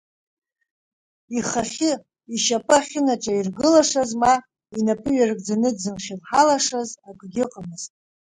Ихахьы ишьапы ахьынаҿаиргылашаз ма инапы ҩаргӡаны днызхьынҳалашаз акгьы ыҟамызт.